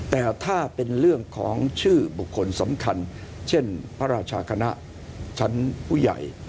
แต่ถ้าเป็นเรื่องของชื่อบุคคลสำคัญเช่นพระราชาคณะชั้นผู้ใหญ่